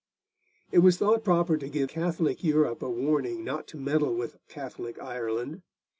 It was thought proper to give Catholic Europe a warning not to meddle with Catholic Ireland.